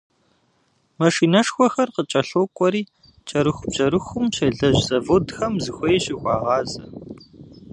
Машинэшхуэхэр къыкӏэлъокӏуэри, кӏэрыхубжьэрыхухэм щелэжьыж заводхэм зыхуей щыхуагъазэ.